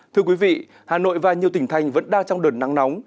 thưa quý vị hà nội và nhiều tỉnh thành vẫn đang trong đợt nắng nóng